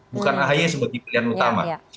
bukan ahy sebagai pilihan tapi kalau